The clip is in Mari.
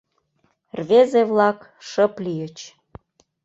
Рвезе-влак шып лийыч.